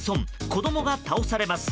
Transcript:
子供が倒されます。